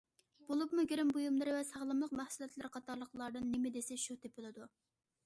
بولۇپمۇ گىرىم بۇيۇملىرى ۋە ساغلاملىق مەھسۇلاتلىرى قاتارلىقلاردىن نېمە دېسە شۇ تېپىلىدۇ.